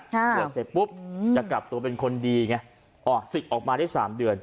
บวชเสร็จปุ๊บจะกลับตัวเป็นคนดีไงอ๋อศึกออกมาได้๓เดือน